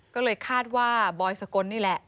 ก็เลยคาดว่าบอยสกลนี่แหละ